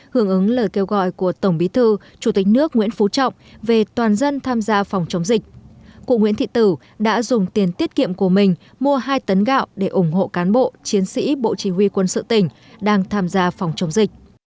hưởng ứng lời kêu gọi của tổng bí thư chủ tịch nước nguyễn phú trọng về toàn dân tham gia phòng chống dịch cụ nguyễn thị tử đã dùng tiền tiết kiệm của mình mua hai tấn gạo để ủng hộ cán bộ chiến sĩ bộ chỉ huy quân sự tỉnh đang tham gia phòng chống dịch